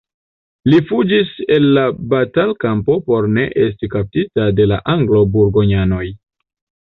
Li fuĝis el la batalkampo por ne esti kaptita de la anglo-burgonjanoj.